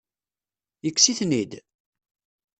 Yekkes-iten-id?